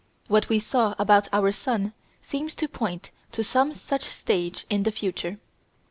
What we saw about our sun seems to point to some such stage in the future.